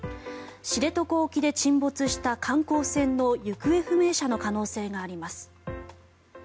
知床沖で沈没した観光船の行方不明者の可能性があります。